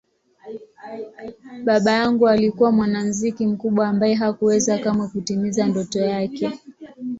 Baba yangu alikuwa mwanamuziki mkubwa ambaye hakuweza kamwe kutimiza ndoto yake.